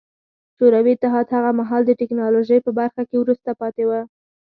شوروي اتحاد هغه مهال د ټکنالوژۍ په برخه کې وروسته پاتې و